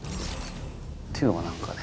っていうのが何かね